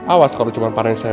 awas kalau cuman panenya